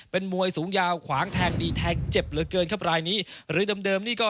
เป็นมวยสูงยาวขวางแทงดีแทงเจ็บเหลือเกินครับรายนี้หรือเดิมเดิมนี่ก็